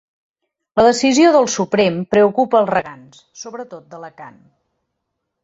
La decisió del Suprem preocupa els regants, sobretot d’Alacant.